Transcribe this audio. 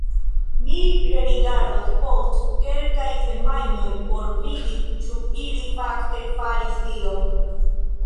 Mi rerigardos post kelkaj semajnoj por vidi ĉu ili fakte faris tion.